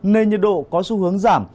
nên nhiệt độ có xu hướng giảm